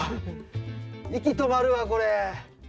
息止まるわ、これ。